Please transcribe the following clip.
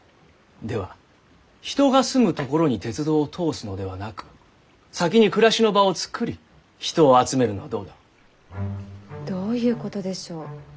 では人が住むところに鉄道を通すのではなく先に暮らしの場をつくり人を集めるのはどうだろう？どういうことでしょう？